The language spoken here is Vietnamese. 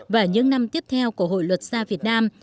và những năm tiếp theo của hội luật gia việt nam